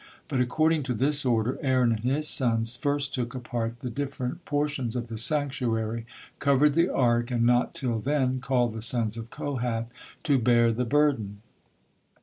But, according to this order, Aaron and his sons first took apart the different portions of the sanctuary, covered the Ark, and not till then called the sons of Kohath to bear the burden.